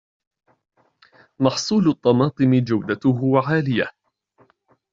محصول الطماطم جودته عالية.